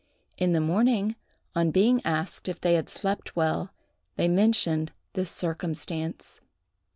In the morning, on being asked if they had slept well, they mentioned this circumstance.